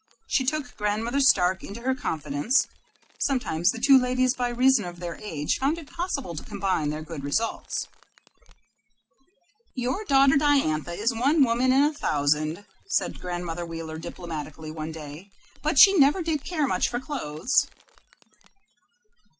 She took Grandmother Stark into her confidence. Sometimes the two ladies, by reason of their age, found it possible to combine with good results. "Your daughter Diantha is one woman in a thousand," said Grandmother Wheeler, diplomatically, one day, "but she never did care much for clothes."